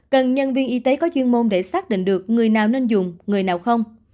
cần nhân viên y tế có chuyên môn để xác định được người nào nên dùng người nào không